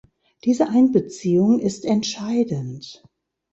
Diese Einbeziehung ist entscheidend.